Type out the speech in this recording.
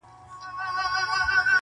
سم اتڼ یې اچولی موږکانو.